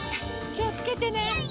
きをつけてね！